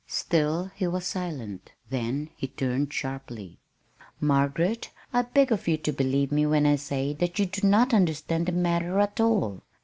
Still he was silent. Then he turned sharply. "Margaret, I beg of you to believe me when I say that you do not understand the matter at all.